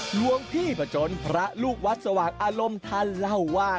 หลวงพี่ผจนพระลูกวัดสว่างอารมณ์ท่านเล่าว่า